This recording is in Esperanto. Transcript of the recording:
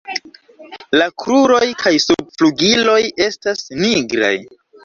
La kruroj kaj subflugiloj estas nigraj.